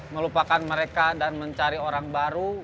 melupakan mereka dan mencari orang baru